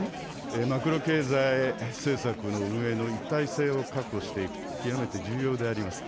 マクロ経済政策の運営の一体性を確保していくと、極めて重要であります。